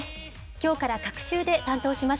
きょうから各週で担当します